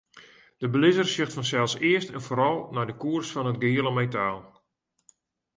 De belizzer sjocht fansels earst en foaral nei de koers fan it giele metaal.